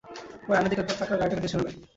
এবার আয়নার দিকে একবার তাকা আর গাড়িটাকে পেছনে নে।